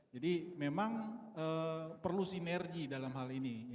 jadi memang perlu sinergi dalam hal ini